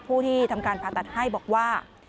ผู้ที่ทำการผ่าตัดให้บอกว่า